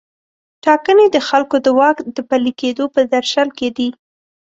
ټاکنې د خلکو د واک د پلي کیدو په درشل کې دي.